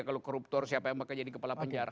kalau koruptor siapa yang bakal jadi kepala penjara